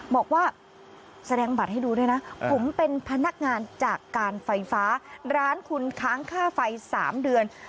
บอกว่าแสดงบัตรให้ดูด้วยนะผมเป็นพนักงานจากการไฟฟ้าร้านคุณค้างค่าไฟ๓เดือน